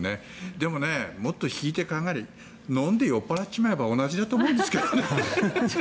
でも、もっと引いて考えれば飲んで酔っ払ってしまえば同じだと思うんですけどね。